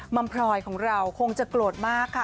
มัมพลอยของเราคงจะโกรธมากค่ะ